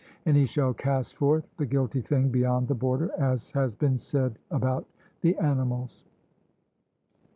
And he shall cast forth the guilty thing beyond the border, as has been said about the animals.